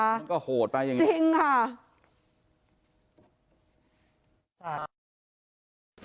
มันก็โหดไปอย่างนี้จริงค่ะ